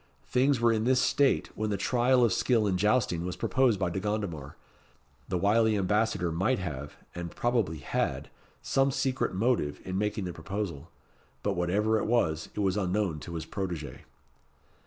Things were in this state when the trial of skill in jousting was proposed by De Gondomar. The wily Ambassador might have and probably had some secret motive in making the proposal; but whatever it was, it was unknown to his protégé.